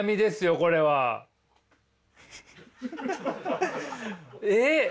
これは。えっ？